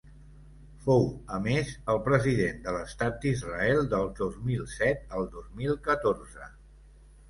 Fou, a més el president de l’estat d’Israel del dos mil set al dos mil catorze.